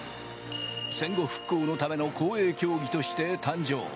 戦後復興のための公営競技として誕生。